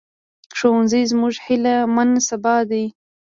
ښوونځی زموږ هيلهمن سبا دی